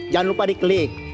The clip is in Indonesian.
jangan lupa diklik